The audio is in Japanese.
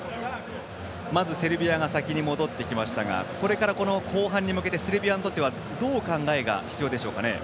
まず、セルビアが先に戻ってきましたがこれから後半に向けてセルビアにとってはどういう考えが必要でしょうかね。